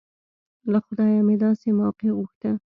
له خدايه مې داسې موقع غوښته.